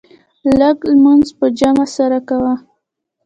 لږ لمونځ په جمع سره کوه.